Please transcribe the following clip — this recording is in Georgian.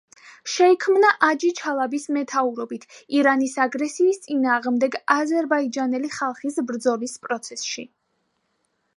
შეიქმნა აჯი-ჩალაბის მეთაურობით ირანის აგრესიის წინააღმდეგ აზერბაიჯანელი ხალხის ბრძოლის პროცესში.